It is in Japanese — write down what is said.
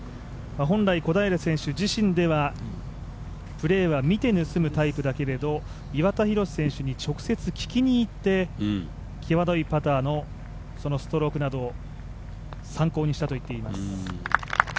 本来小平選手自身ではプレーは見て盗むタイプだけれど岩田寛選手に直接聞きに行って際どいパターのストロークなどを参考にしたと言っています。